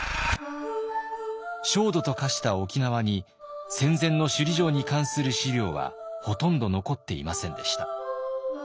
焦土と化した沖縄に戦前の首里城に関する資料はほとんど残っていませんでした。